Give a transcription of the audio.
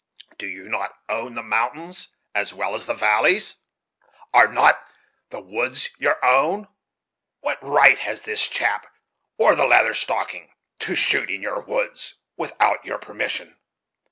Do you not own the mountains as well as the valleys? are not the woods your own? what right has this chap, or the Leather Stocking, to shoot in your woods without your permission?